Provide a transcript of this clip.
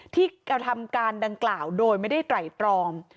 ที่กระทำการดังกล่าวโดยไม่ได้ไตรตรอง